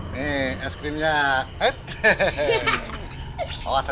masih ada apa